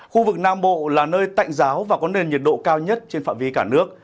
khu vực nam bộ là nơi tạnh giáo và có nền nhiệt độ cao nhất trên phạm vi cả nước